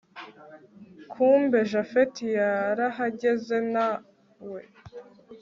kumbe japhet yarahageze nawe